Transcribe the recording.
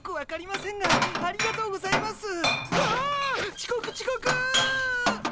ちこくちこく！